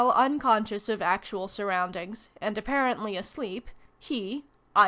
^zconscious of actual surroundings, and apparently asleep, he (i.